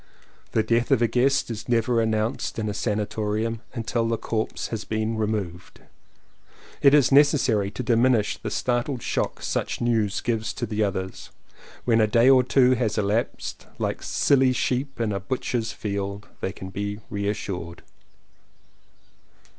The death of a guest is never announced in a sanatorium until the corpse has been removed. It is necessary to diminish the startled shock such news give to the others. When a day or two has elapsed, like silly sheep in a butcher's field, they can be re assured.